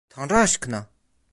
Tanrı aşkına!